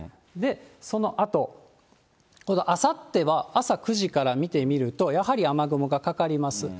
そのあと、今度あさっては朝９時から見てみると、やはり雨雲がかかります。